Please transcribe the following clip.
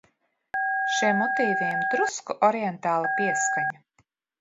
Šiem motīviem drusku orientāla pieskaņa.